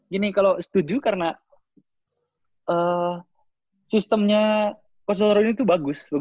gini kalo setuju karena sistemnya coach raiko ini tuh bagus bagus banget